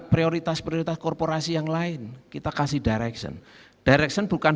prioritas prioritas korporasi yang lain kita kasih direction direction bukan